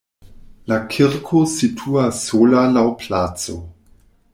La kirko situas sola laŭ placo.